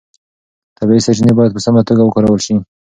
طبیعي سرچینې باید په سمه توګه وکارول شي.